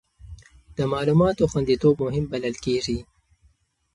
د معلوماتو خوندیتوب مهم بلل کېږي.